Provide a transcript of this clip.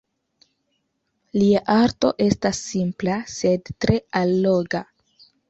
Lia arto estas simpla, sed tre alloga.